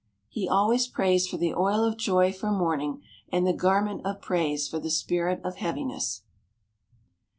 He always prays for the oil of joy for mourning and the garment of praise for the spirit of heaviness.